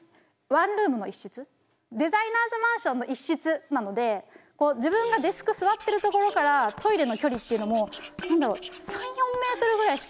デザイナーズマンションの１室なので自分がデスク座ってる所からトイレの距離っていうのも何だろう３４メートルぐらいしか。